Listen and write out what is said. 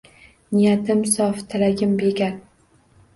Niyatim sof tilagim begard